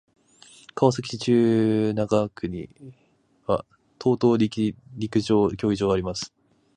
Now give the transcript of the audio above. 川崎市中原区には等々力陸上競技場があります。